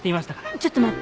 ちょっと待って。